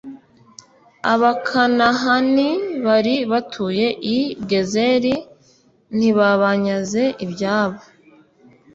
abakanahani bari batuye i gezeri ntibabanyaze ibyabo